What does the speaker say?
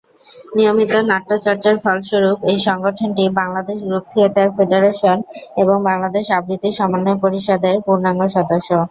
নিয়মিত নাট্য চর্চার ফলস্বরূপ এই সংগঠনটি বাংলাদেশ গ্রুপ থিয়েটার ফেডারেশন এবং বাংলাদেশ আবৃত্তি সমন্বয় পরিষদের পূর্ণাঙ্গ সদস্য।